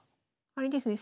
あれですね